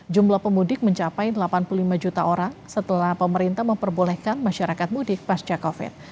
jumlah pemudik mencapai delapan puluh lima juta orang setelah pemerintah memperbolehkan masyarakat mudik pasca covid